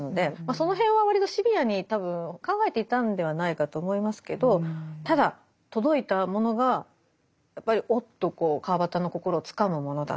その辺は割とシビアに多分考えていたんではないかと思いますけどただ届いたものがやっぱりおっと川端の心をつかむものだった。